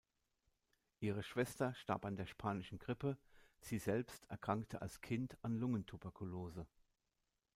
Ihre Schwester starb an der Spanischen Grippe, sie selbst erkrankte als Kind an Lungentuberkulose.